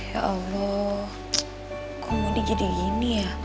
ya allah kok mondi gini gini ya